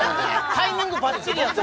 タイミングばっちりやった！